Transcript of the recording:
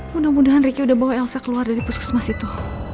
mudah mudahan riki sudah bawa elsa keluar dari puskesmas itu